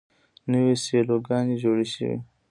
نوې سیلوګانې جوړې شي.